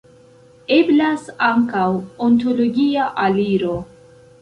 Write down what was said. Eblas ankaŭ ontologia aliro.